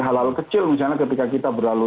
halal kecil misalnya ketika kita berlalu